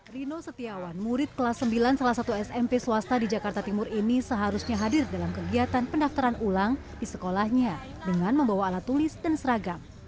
rino setiawan murid kelas sembilan salah satu smp swasta di jakarta timur ini seharusnya hadir dalam kegiatan pendaftaran ulang di sekolahnya dengan membawa alat tulis dan seragam